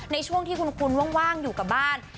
ในช่วงที่คุณว่างอยู่กับบ้าน